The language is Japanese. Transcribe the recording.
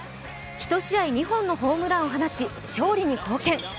１試合２本のホームランを放ち、勝利に貢献。